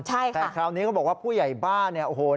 แต่คราวนี้เขาบอกว่าผู้ใหญ่บ้านเนี่ย